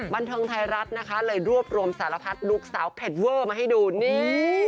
บันเทิงไทยรัฐนะคะเลยรวบรวมสารพัดลูกสาวเผ็ดเวอร์มาให้ดูนี่